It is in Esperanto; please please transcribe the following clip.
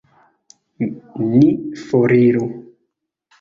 Ni foriru!